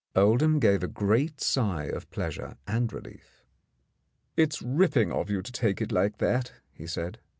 Oldham gave a great sigh of pleasure and relief. "It's ripping of you to take it like that," he said.